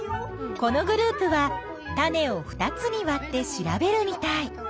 このグループは種を２つにわって調べるみたい。